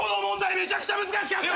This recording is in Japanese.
めちゃくちゃ難しかった！